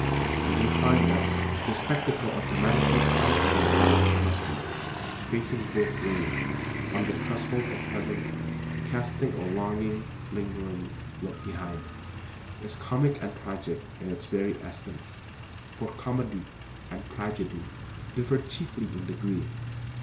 And they find that the spectacle of humanity trying to be what it cannot be, facing both ways, on the threshold of heaven casting a longing, lingering look behind, is comic and tragic in its very essence; for comedy and tragedy differ chiefly in degree.